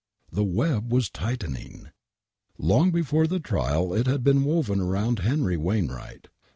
The web was tightening ! Long before the trial it had been woven round Henry Wainwright.